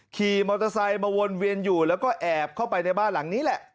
ขี่มอเตอร์ไซค์มาวนเวียนอยู่แล้วก็แอบเข้าไปในบ้านหลังนี้แหละ